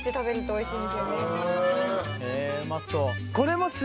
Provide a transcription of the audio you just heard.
おいしい。